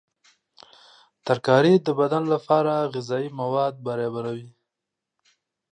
ترکاري د بدن لپاره غذایي مواد برابروي.